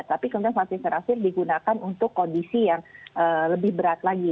tapi kemudian vaksin terakhir digunakan untuk kondisi yang lebih berat lagi